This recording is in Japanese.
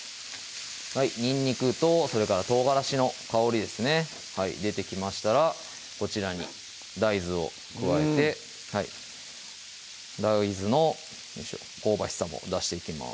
にんにくと唐辛子の香りですね出てきましたらこちらに大豆を加えて大豆の香ばしさも出していきます